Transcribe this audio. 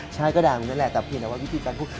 ใช่ก็ดังด้วยแหละแต่เพียงแต่ว่าวิธีการพูด